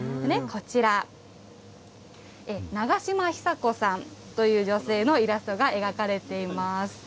こちら、永嶋久子さんという女性のイラストが描かれています。